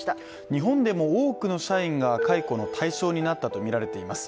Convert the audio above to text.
日本でも多くの社員が解雇の対象になったといわれています。